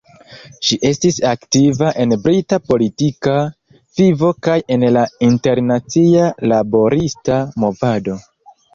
Ŝi estis aktiva en brita politika vivo kaj en la internacia laborista movado.